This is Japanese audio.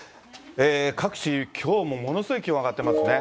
各地、きょうもものすごい気温上がってますね。